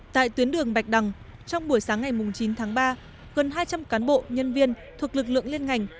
tại tuyến đường bạch đằng trong buổi sáng ngày chín tháng ba gần hai trăm linh cán bộ nhân viên thuộc lực lượng liên ngành